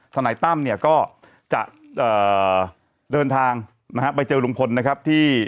นายตั้มเนี่ยก็จะเดินทางนะฮะไปเจอลุงพลนะครับที่